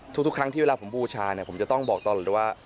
ทุกครั้งที่เวลาผมบูชาเนี่ยผมจะต้องบอกตลอดเลยว่า